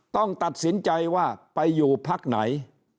ต้องตัดสินใจว่าไปอยู่พักไหน